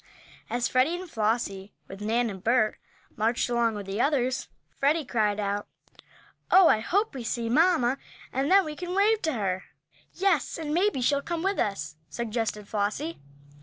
As Freddie and Flossie, with Nan and Bert, marched along with the others, Freddie cried out: "Oh, I hope we see mamma, and then we can wave to her." "Yes, and maybe she'll come with us," suggested Flossie.